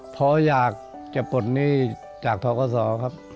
เพราะอยากจะปลดหนี้จากทกศครับ